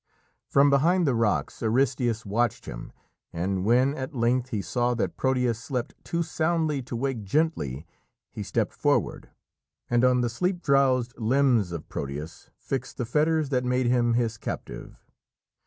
From behind the rocks Aristæus watched him, and when, at length, he saw that Proteus slept too soundly to wake gently he stepped forward, and on the sleep drowsed limbs of Proteus fixed the fetters that made him his captive.